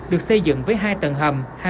được xây dựng với hai tầng hầm